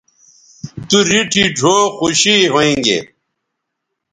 تو ریٹھی ڙھؤ خوشی ھویں گے